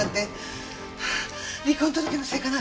離婚届のせいかな？